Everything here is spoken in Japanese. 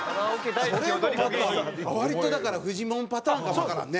割とだからフジモンパターンかもわからんね。